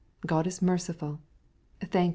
God is merciful ... thanks...."